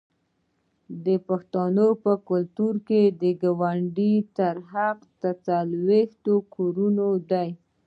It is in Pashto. د پښتنو په کلتور کې د ګاونډي حق تر څلوېښتو کورونو دی.